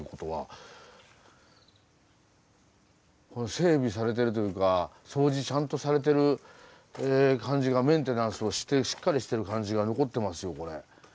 整備されてるというか掃除ちゃんとされてる感じがメンテナンスをしっかりしてる感じが残ってますよこれ。